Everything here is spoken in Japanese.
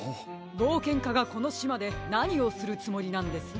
ぼうけんかがこのしまでなにをするつもりなんです？